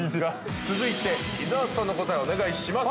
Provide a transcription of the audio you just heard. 続いて伊沢さんの答え、お願いします。